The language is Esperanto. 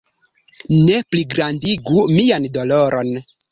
Ne pligrandigu mian doloron!